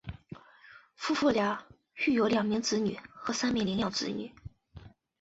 夫妇俩育有两名子女和三名领养子女。